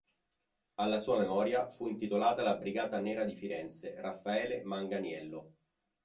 Alla sua memoria fu intitolata la Brigata Nera di Firenze, "Raffaele Manganiello".